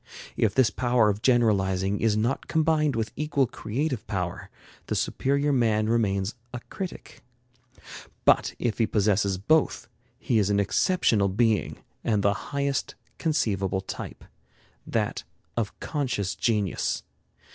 If this power of generalizing is not combined with equal creative power, the superior man remains a critic. But if he possesses both, he is an exceptional being and the highest conceivable type, that of conscious genius.